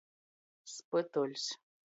Spytuļs.